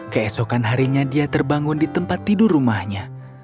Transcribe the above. keesokan harinya dia terbangun di tempat tidur rumahnya